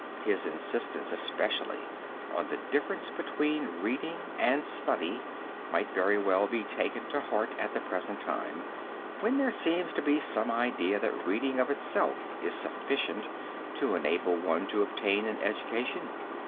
His insistence, especially on the difference between reading and study, might very well be taken to heart at the present time, when there seems to be some idea that reading of itself is sufficient to enable one to obtain an education.